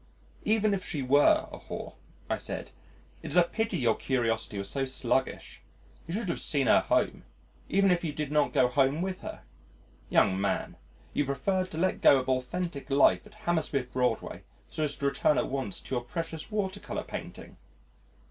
"Even if she were a whore," I said, "it's a pity your curiosity was so sluggish. You should have seen her home, even if you did not go home with her. Young man, you preferred to let go of authentic life at Hammersmith Broadway, so as to return at once to your precious water colour painting."